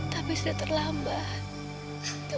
tapi sudah terlambat